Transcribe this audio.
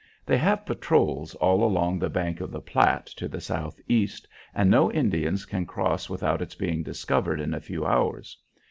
They have patrols all along the bank of the Platte to the southeast, and no Indians can cross without its being discovered in a few hours.